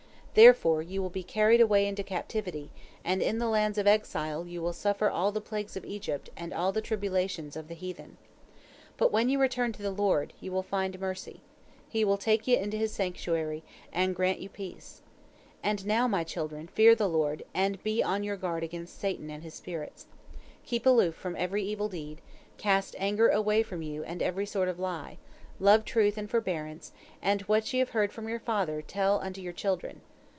Therefore you will be carried away into captivity, and in the lands of exile you will suffer all the plagues of Egypt and all the tribulations of the heathen. But when you return to the Lord, you will find mercy. He will take you into His sanctuary, and grant you peace. "And now, my children, fear the Lord, and be on your guard against Satan and his spirits. Keep aloof from every evil deed, cast anger away from you and every sort of lie, love truth and forbearance, and what ye have heard from your father, tell unto your children.